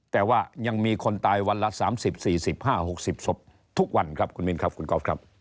แต่ว่ายังมีคนตายวันละ๓๐๔๕๖๐ศพทุกวันครับคุณมินครับคุณก๊อฟครับ